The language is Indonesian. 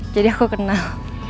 jadi aku kenal